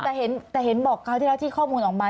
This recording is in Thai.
แต่เห็นบอกคราวที่แล้วที่ข้อมูลออกมา